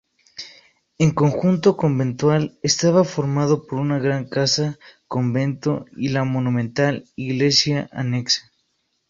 En conjunto conventual estaba formado por una gran casa-convento y la monumental iglesia anexa.